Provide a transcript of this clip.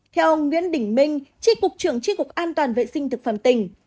theo ông nguyễn đỉnh minh trị cục trưởng trị cục an toàn vệ sinh thực phẩm tỉnh